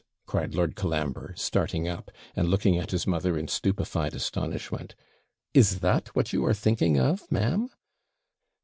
cried Lord Colambre, starting up, and looking at his mother in stupefied astonishment; 'is THAT what you are thinking of, ma'am?'